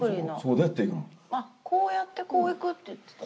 こうやってこう行くって言ってた。